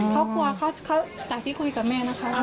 เขากลัวเขาจากที่คุยกับแม่นะคะ